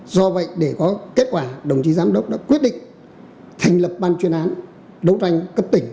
do vậy để có kết quả đồng chí giám đốc đã quyết định thành lập ban chuyên án đấu tranh cấp tỉnh